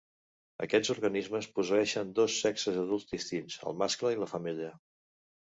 Aquests organismes posseeixen dos sexes adults distints, el mascle i la femella.